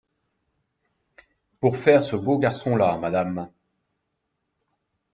Pour faire ce beau garçon-là, madame!